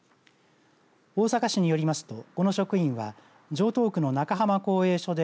大阪市によりますとこの職員は城東区の中浜工営所で